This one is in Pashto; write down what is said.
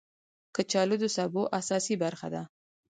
کچالو د سبو اساسي برخه ده